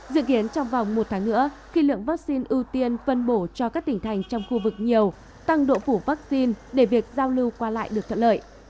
dự kiến trong vòng một tháng nữa khi lượng vaccine ưu tiên phân bổ cho các tỉnh thành trong khu vực nhiều tăng độ phủ vaccine để việc giao lưu qua lại được thuận lợi